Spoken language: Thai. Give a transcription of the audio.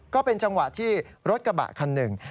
ก็เป็นจังหวะที่รถกระบะคันหนึ่ง